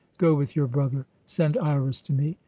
Go with your brother. Send Iras to me.